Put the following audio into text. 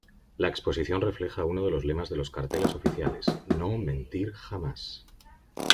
La exposición refleja uno de los lemas de los carteles oficiales "No Mentir Jamás".